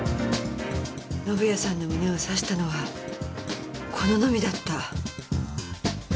宣也さんの胸を刺したのはこののみだった。